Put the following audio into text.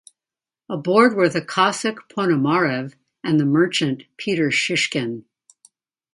Aboard were the Cossack Ponomarev and the merchant Peter Shishkin.